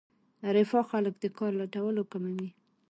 رفاه خلک د کار لټولو کموي.